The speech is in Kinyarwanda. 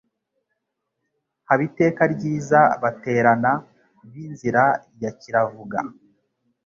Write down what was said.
Haba iteka ryiza Baterana b'inzira ya Kiravuga